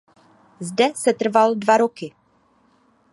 Zde setrval dva roky.